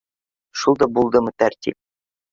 Шул да булдымы тәртип